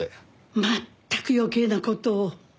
まったく余計な事を。